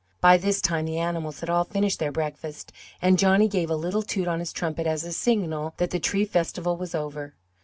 By this time the animals had all finished their breakfast and Johnny gave a little toot on his trumpet as a signal that the tree festival was over.